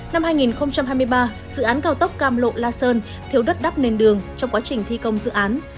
năm hai nghìn hai mươi ba dự án cao tốc cam lộ la sơn thiếu đất đắp nền đường trong quá trình thi công dự án